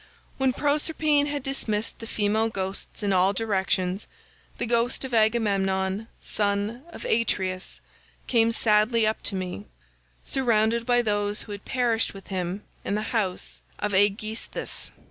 "When Proserpine had dismissed the female ghosts in all directions, the ghost of Agamemnon son of Atreus came sadly up to me, surrounded by those who had perished with him in the house of Aegisthus.